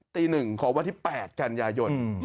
ตีหนึ่งของวันที่๘กันยายน